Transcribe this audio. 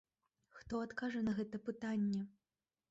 Хто адкажа на гэта пытанне?